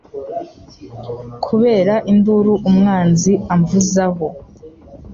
kubera induru umwanzi amvuzaho